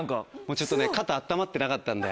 ちょっとね肩温まってなかったんで。